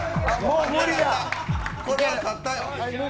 これは勝ったよ。